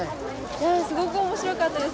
いやすごく面白かったです